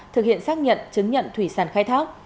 thực hiện xác nhận chứng nhận thủy sản khai thác